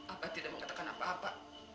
apa tidak mengatakan apa apa